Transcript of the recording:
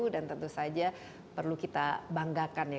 dan tentu saja perlu kita banggakan ya